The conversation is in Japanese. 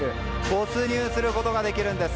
没入することができるんです。